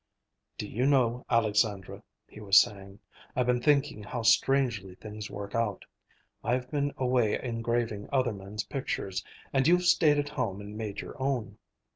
"Do you know, Alexandra," he was saying, "I've been thinking how strangely things work out. I've been away engraving other men's pictures, and you've stayed at home and made your own."